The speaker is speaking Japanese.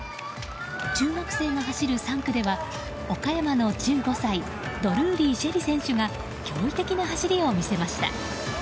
中学生が走る３区では岡山の１５歳ドルーリー朱瑛里選手が驚異的な走りを見せました。